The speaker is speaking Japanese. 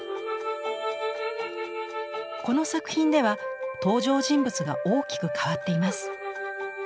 この作品では登場人物が大きく変わっています。